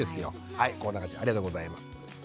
はいこんな感じありがとうございます。